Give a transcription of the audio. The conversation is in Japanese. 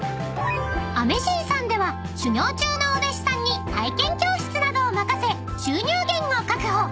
［「アメシン」さんでは修業中のお弟子さんに体験教室などを任せ収入源を確保］